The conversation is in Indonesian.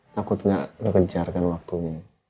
takut gak ngekejar kan waktunya